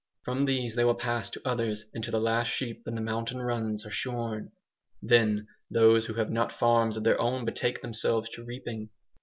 From these they will pass to others, until the last sheep in the mountain runs are shorn. Then those who have not farms of their own betake themselves to reaping.